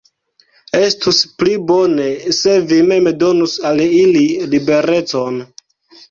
Estus pli bone, se vi mem donus al ili liberecon.